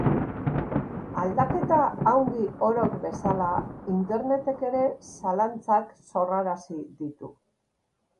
Aldaketa handi orok bezala, Internetek ere zalantzak sorrarazi ditu.